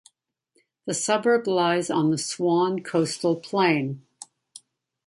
The suburb lies on the Swan Coastal Plain.